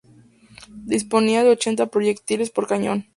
Disponía de ochenta proyectiles por cañón.